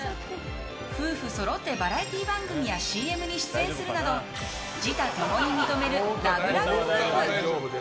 夫婦そろってバラエティー番組やＣＭに出演するなど自他共に認めるラブラブ夫婦！